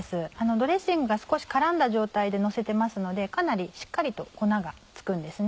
ドレッシングが少し絡んだ状態でのせてますのでかなりしっかりと粉が付くんです。